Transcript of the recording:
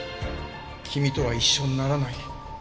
君とは一緒にならない。